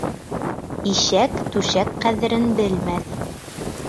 Ишәк түшәк ҡәҙерен белмәҫ.